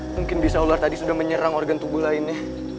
mungkin bisa ular tadi sudah menyerang organ tubuh lainnya